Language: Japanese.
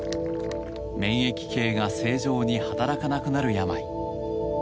免疫系が正常に働かなくなる病。